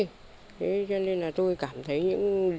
thế cho nên là tôi cảm thấy những